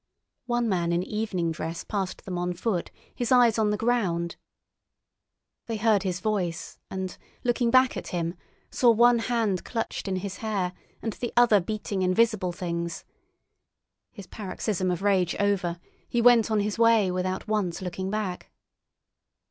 One man in evening dress passed them on foot, his eyes on the ground. They heard his voice, and, looking back at him, saw one hand clutched in his hair and the other beating invisible things. His paroxysm of rage over, he went on his way without once looking back.